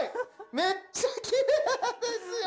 めっちゃきれいですよ！